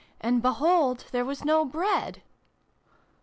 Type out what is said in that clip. And behold, there was no Bread!"